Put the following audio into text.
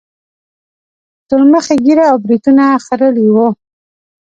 سورمخي ږيره او برېتونه خرييلي وو.